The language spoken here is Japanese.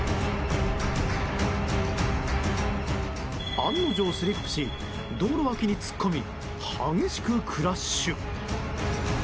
案の定スリップし道路脇に突っ込み激しくクラッシュ。